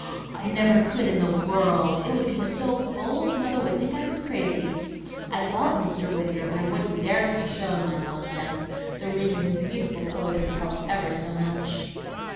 "I never could in the world! It would be so bold, Mother would think I was crazy. I love Mr. Whittier, but I wouldn't dar'st to show him my nonsense, though reading his beautiful poetry helps me ever so much."